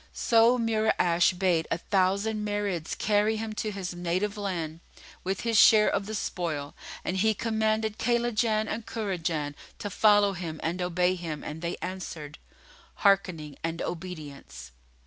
So Mura'ash bade a thousand Marids carry him to his native land, with his share of the spoil; and he commanded Kaylajan and Kurajan to follow him and obey him; and they answered, "Hearkening and obedience."